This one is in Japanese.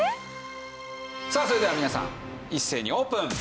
さあそれでは皆さん一斉にオープン。